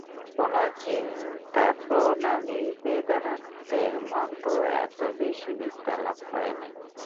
কোন চিন্তাপ্রণালী বেদান্তের মত এত বেশী বিস্তার লাভ করে নাই।